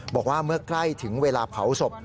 บอกว่าเมื่อใกล้ถึงเวลาเผาศพ